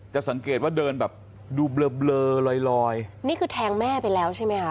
สังเกตว่าเดินแบบดูเบลอลอยลอยนี่คือแทงแม่ไปแล้วใช่ไหมคะ